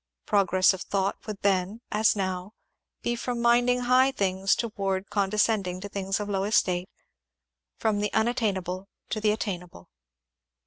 Pro gress of thought would then, as now, be from minding high things toward condescending to things of low estate — from the unattainable to the attainable.